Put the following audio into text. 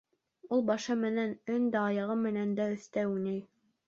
Ул башы менән дә, аяғы менән дә оҫта уйнай